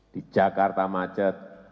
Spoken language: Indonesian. di jakarta macet